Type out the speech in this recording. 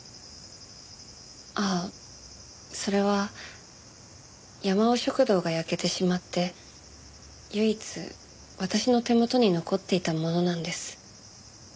ああそれはやまお食堂が焼けてしまって唯一私の手元に残っていたものなんです。